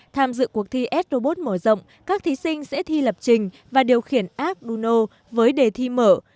tham dự cuộc thi s robot mở rộng các thí sinh sẽ thi lập trình và điều khiển arduino với đề thi mở